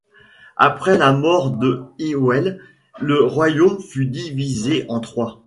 Après la mort de Hywel, le royaume fut divisé en trois.